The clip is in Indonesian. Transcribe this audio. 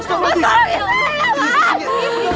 tumben kamu dateng kesini